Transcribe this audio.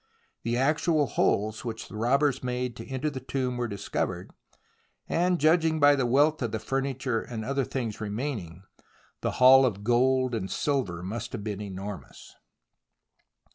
The actual holes which the robbers made to enter the tomb were discovered, and, judging by the wealth of the furniture and other things remaining, the haul of gold and silver must have been enormous.